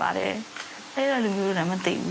ท่านประธานครับนี่คือสิ่งที่สุดท้ายของท่านครับ